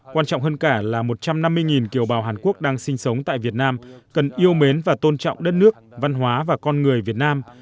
quan trọng hơn cả là một trăm năm mươi kiều bào hàn quốc đang sinh sống tại việt nam cần yêu mến và tôn trọng đất nước văn hóa và con người việt nam